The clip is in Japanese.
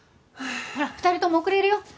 ほら２人とも遅れるよ。